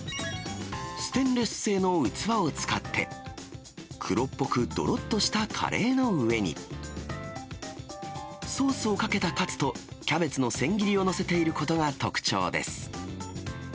ステンレス製の器を使って、黒っぽくどろっとしたカレーの上に、ソースをかけたカツと、キャベツの千切りを載せていることが特徴です。